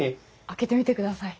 開けてみてください。